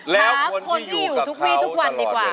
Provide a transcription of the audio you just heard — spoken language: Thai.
แล้วคนที่อยู่กับเขาตลอดเวลา